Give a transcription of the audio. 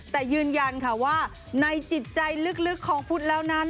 แต่ยืนยันค่ะว่าในจิตใจลึกของพุทธแล้วนั้น